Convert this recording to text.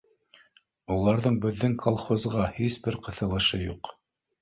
Уларҙың беҙҙең колхозға һис бер ҡыҫылышы юҡ